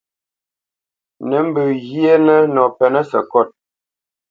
Nǝ̌ mbǝ̄ghinǝ nɔ pɛ́nǝ̄ sǝkôt.